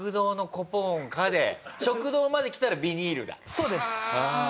そうです。